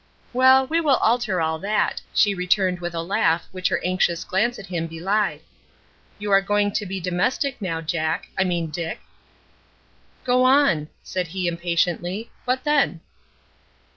"Well, we will alter all that," she returned with a laugh, which her anxious glance at him belied. "You are going to be domestic now, Jack I mean Dick." "Go on," said he impatiently. "What then?"